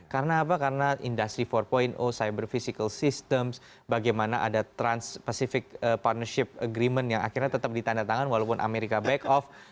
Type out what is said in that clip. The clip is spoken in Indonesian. karena apa karena industri empat cyber physical system bagaimana ada trans pacific partnership agreement yang akhirnya tetap ditandatangan walaupun amerika back off